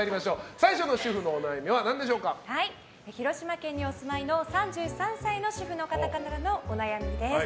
最初の主婦のお悩みは広島県にお住まいの３３歳の主婦の方からのお悩みです。